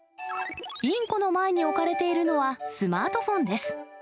インコの前に置かれているのは、スマートフォンです。